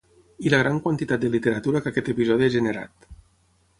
I la gran quantitat de literatura que aquest episodi ha generat.